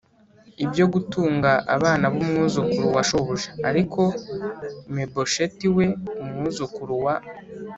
ibyo gutunga abana b umwuzukuru wa shobuja Ariko Me bosheti we umwuzukuru wa